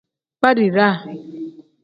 Badiraa.